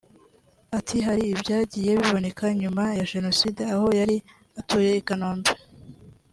Ati “Hari ibyagiye biboneka nyuma ya Jenoside aho yari atuye i Kanombe